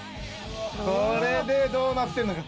これでどうなってるのか。